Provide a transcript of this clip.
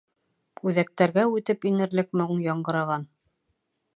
Үҙәктәргә үтеп инерлек моң яңғыраған.